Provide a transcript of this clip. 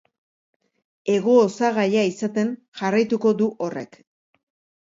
Hego-osagaia izaten jarraituko du horrek.